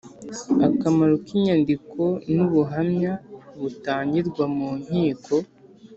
Akamaro k inyandiko n ubuhamya butangirwa mu nkiko